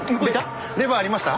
レバーありました？